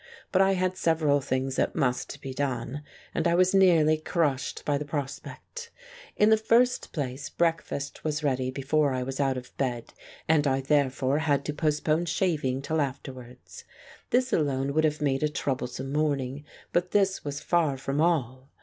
But I had several things that must be done, and I was nearly crushed by the prospect. In the first place breakfast was ready before I was out of bed and I therefore had to postpone shaving till afterwards. This alone would have made a troublesome morning, but this was far from all.